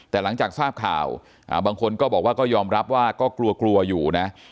แต่หลังจากทราบข่าวบางคนก็บอกว่าก็ยอมรับว่าก็กลัวกลัวอยู่นะ